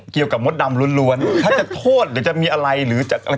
เกี่ยวกับมดดำร้วนถ้าจะโทษหรือจะมีอะไรหรือจะ